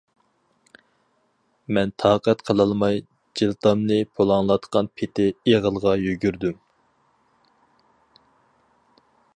مەن تاقەت قىلالماي جىلتامنى پۇلاڭلاتقان پېتى ئېغىلغا يۈگۈردۈم.